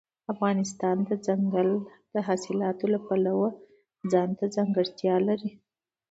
افغانستان د دځنګل حاصلات د پلوه ځانته ځانګړتیا لري.